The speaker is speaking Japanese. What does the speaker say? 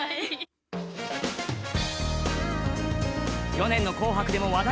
去年の「紅白」でも話題。